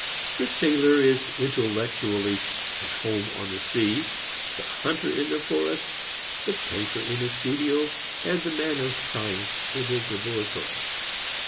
The sailor is intellectually at home on the sea, the hunter in the forest, the painter in his studio, the man of science in his laboratory.